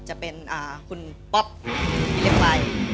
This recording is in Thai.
จะเป็นคุณป๊อปพี่เล็กใบ